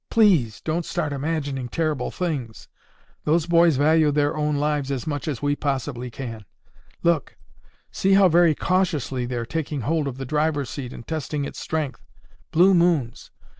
"Please don't start imagining terrible things. Those boys value their own lives as much as we possibly can. Look! See how very cautiously they're taking hold of the driver's seat and testing its strength. Blue Moons!"